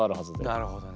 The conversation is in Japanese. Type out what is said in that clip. なるほどね。